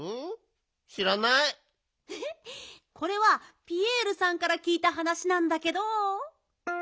これはピエールさんからきいたはなしなんだけど。